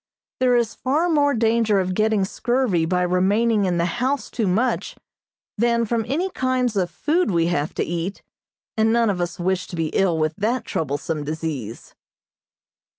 There is far more danger of getting scurvy by remaining in the house too much than from any kinds of food we have to eat, and none of us wish to be ill with that troublesome disease.